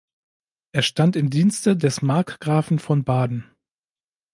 Er stand im Dienste des Markgrafen von Baden.